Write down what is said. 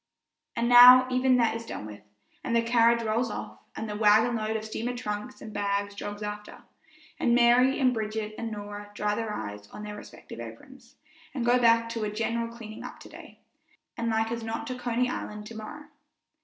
And now even that is done with, and the carriage rolls off, and the wagon load of steamer trunks and bags jogs after, and Mary and Bridget and Norah dry their eyes on their respective aprons, and go back to a general cleaning up today, and like as not to Coney Island to morrow.